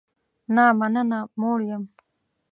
نه مننه، موړ یم